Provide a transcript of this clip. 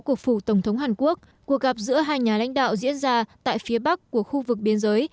cuộc phủ tổng thống hàn quốc cuộc gặp giữa hai nhà lãnh đạo diễn ra tại phía bắc của khu vực biên giới